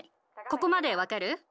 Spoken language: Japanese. ここまでわかる？」。